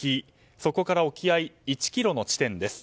そこから沖合１ｋｍの地点です。